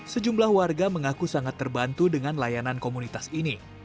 sejumlah warga mengaku sangat terbantu dengan layanan komunitas ini